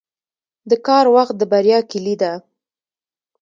• د کار وخت د بریا کلي ده.